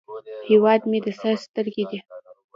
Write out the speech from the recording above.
هیواد مې د سر سترګې دي